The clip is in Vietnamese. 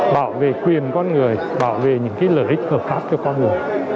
bảo vệ quyền con người bảo vệ những cái lợi ích hợp tác cho con người